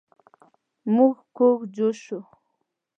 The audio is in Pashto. دی کوږ جوش شو.